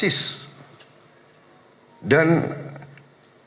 dan berkaitan dengan pernyataan pernyataan yang tersebut